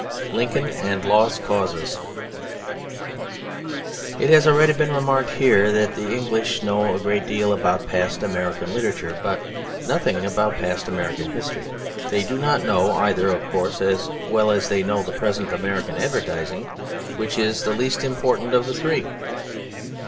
Lincoln and Lost Causes It has already been remarked here that the English know a great deal about past American literature, but nothing about past American history. They do not know either, of course, as well as they know the present American advertising, which is the least important of the three.